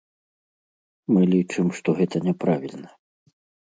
Мы лічым, што гэта няправільна.